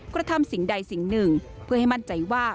กระทำสิ่งใดสิ่งหนึ่งเพื่อให้มั่นใจว่า